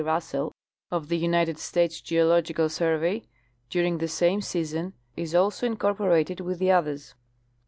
Russell, of the United States Geo logical Survey, during the same season is also incorporated with the others.